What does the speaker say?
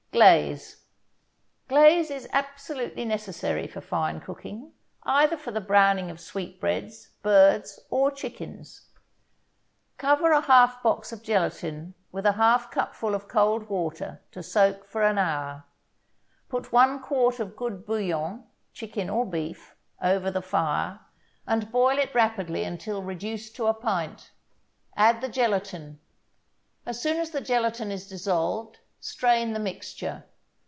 GLAZE Glaze is absolutely necessary for fine cooking, either for the browning of sweetbreads, birds or chickens. Cover a half box of gelatin with a half cupful of cold water to soak for an hour. Put one quart of good bouillon, chicken or beef, over the fire, and boil it rapidly until reduced to a pint; add the gelatin. As soon as the gelatin is dissolved, strain the mixture.